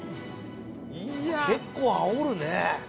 結構あおるね！